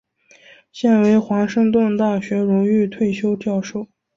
现为华盛顿大学荣誉退休教授。